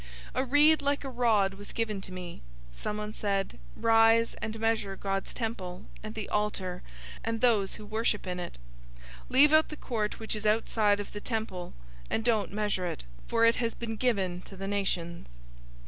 011:001 A reed like a rod was given to me. Someone said, "Rise, and measure God's temple, and the altar, and those who worship in it. 011:002 Leave out the court which is outside of the temple, and don't measure it, for it has been given to the nations.